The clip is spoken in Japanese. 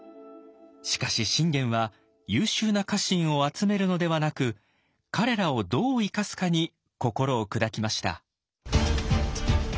しかし信玄は優秀な家臣を集めるのではなく彼らを「どう生かすか」に心を砕きました。